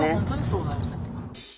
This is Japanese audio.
そうだね。